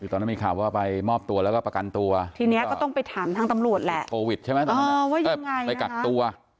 ทีนี้ก็ต้องไปถามทางตำรวจแหละ